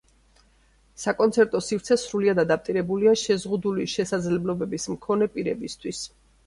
საკონცერტო სივრცე სრულად ადაპტირებულია შეზღუდული შესაძლებლობების მქონე პირებისათვის.